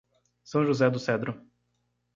São José do Cedro